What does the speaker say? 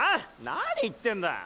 何言ってんだ？